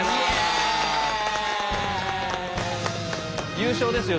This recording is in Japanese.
優勝ですよ